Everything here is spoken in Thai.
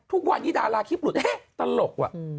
ทุกวันนี้ดาราคลิปหลุดเอ๊ะตลกว่ะ